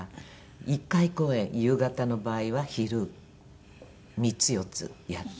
１回公演夕方の場合は昼３つ４つやって。